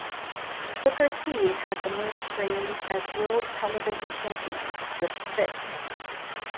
Booker T had the most reigns as World Television Champion, with six.